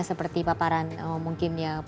seperti paparan mungkin ya